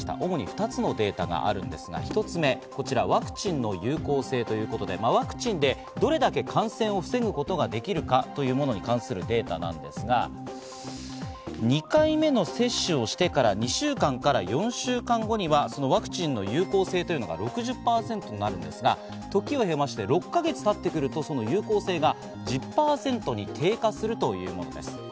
主に２つのデータがあるんですが１つ目、ワクチンの有効性ということでワクチンでどれだけ感染を防ぐことができるかというものに関するデータですが、２回目の接種をしてから２週間から４週間後にはそのワクチンの有効性というのが６０％なんですが、時を経まして６か月たってくると、その有効性が１０％に低下するというものです。